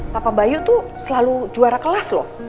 papa bayu tuh selalu juara kelas loh